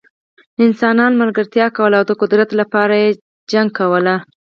انسانانو ملګرتیا کوله او د قدرت لپاره یې جګړه کوله.